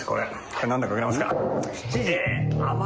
なんだか分かりますか？